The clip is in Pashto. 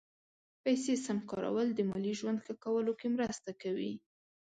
پیسې سم کارول د مالي ژوند ښه کولو کې مرسته کوي.